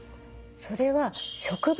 それは植物